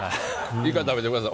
１回、食べてください。